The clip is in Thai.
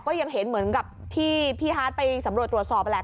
ก็ยังเห็นเหมือนกับที่พี่ฮาร์ดไปสำรวจตรวจสอบนั่นแหละ